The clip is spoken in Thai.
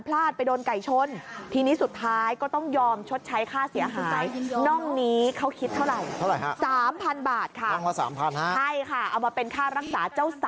รักษาเจ้าสาไก่ชนตัวเก่งนะคะ